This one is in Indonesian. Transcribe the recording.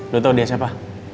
lo tau dia siapa